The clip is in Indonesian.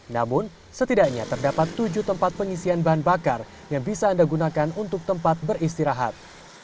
namun setidaknya terdapat tujuh tempat pengisian bahan bakar yang bisa anda gunakan untuk tempat beristirahat